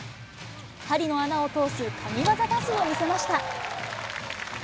針の穴を通す神業パスを見せました。